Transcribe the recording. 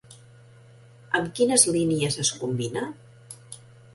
Amb quines línies es combina?